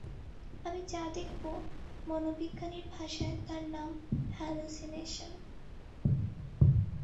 আমি যা দেখব, মনোবিজ্ঞানীর ভাষায় তার নাম হেলুসিনেশন।